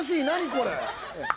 何これ？